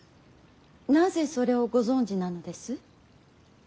なぜそれをご存じなのです。